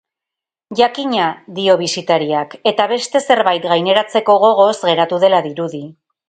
Jakina, dio bisitariak, eta beste zerbait gaineratzeko gogoz geratu dela dirudi.